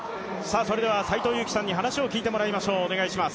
斎藤佑樹さんに話を聞いてもらいましょう。